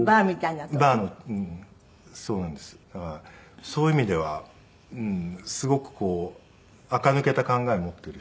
だからそういう意味ではすごくあか抜けた考えを持ってる人。